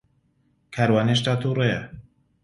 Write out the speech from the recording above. کاروان ھێشتا تووڕەیە.